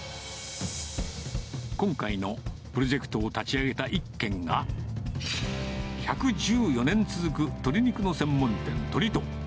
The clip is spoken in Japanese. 今回のプロジェクトを立ち上げた１軒が、１１４年続く鶏肉の専門店、鳥藤。